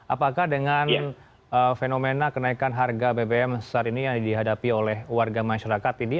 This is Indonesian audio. apakah dengan fenomena kenaikan harga bbm saat ini yang dihadapi oleh warga masyarakat ini